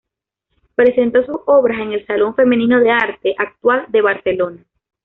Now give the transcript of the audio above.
Presentó sus obras en el Salón femenino de arte actual de Barcelona.